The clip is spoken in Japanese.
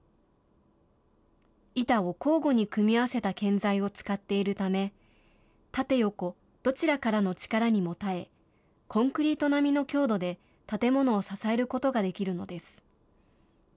板を交互に組み合わせた建材を使っているため、縦横どちらからの力にも耐え、コンクリート並みの強度で建物を支えることができるのです。